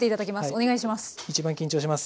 お願いします。